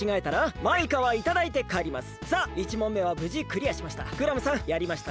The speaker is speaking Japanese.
さあ１問めはぶじクリアしました。